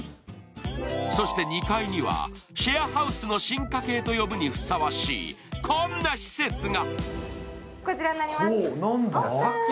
そして２階にはシェアハウスの進化系と呼ぶにふさわしいこんな施設が。